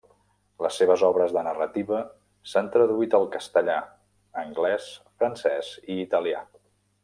Les seves obres de narrativa s'han traduït al castellà, anglès, francès i italià.